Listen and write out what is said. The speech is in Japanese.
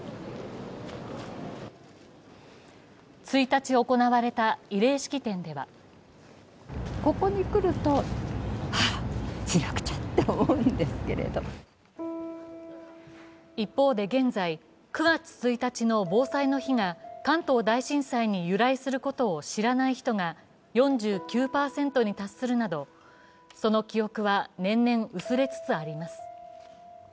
１日行われた慰霊式典では一方で、現在９月１日の防災の日が関東大震災に由来することを知らない人が４９％に達するなどその記憶は年々薄れつつあります。